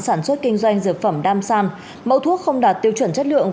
sản xuất kinh doanh dược phẩm dam san mẫu thuốc không đạt tiêu chuẩn chất lượng